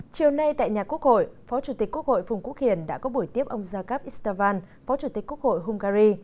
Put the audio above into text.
chiều nay tại nhà quốc hội phó chủ tịch quốc hội phùng quốc hiền đã có buổi tiếp ông jakab istvan phó chủ tịch quốc hội hungary